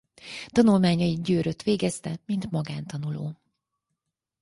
Tanulmányait Győrött végezte mint magántanuló.